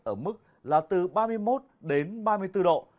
ở mức là từ ba mươi một đến ba mươi bốn độ